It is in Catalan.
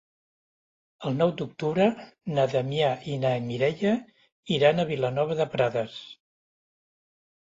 El nou d'octubre na Damià i na Mireia iran a Vilanova de Prades.